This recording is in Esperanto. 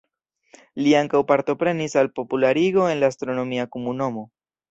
Li ankaŭ partoprenis al popularigo en la astronomia komunumo.